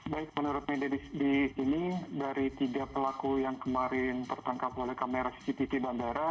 baik menurut media di sini dari tiga pelaku yang kemarin tertangkap oleh kamera cctv bandara